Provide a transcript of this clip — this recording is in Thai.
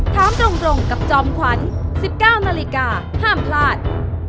ถามตรงกับจอมขวัญ๑๙นาฬิกาห้ามพลาด